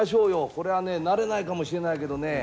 これはね慣れないかもしれないけどね